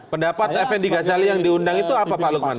pendapat fnd ghazali yang diundang itu apa pak lukman